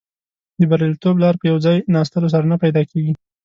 د بریالیتوب لاره په یو ځای ناستلو سره نه پیدا کیږي.